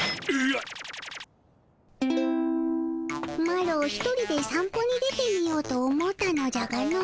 マロ一人で散歩に出てみようと思うたじゃがの。